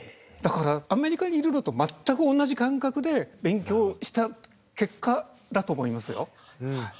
だからアメリカにいるのと全く同じ感覚で勉強した結果だと思いますよ。